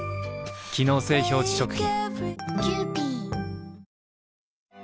機能性表示食品